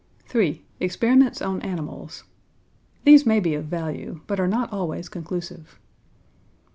3. Experiments on Animals. These may be of value, but are not always conclusive.